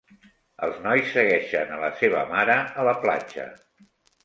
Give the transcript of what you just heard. Els nois segueixen a la seva mare a la platja.